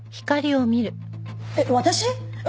えっ私？